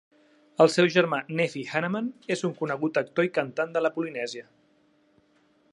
El seu germà Nephi Hannemann és un conegut actor i cantant de la Polinèsia.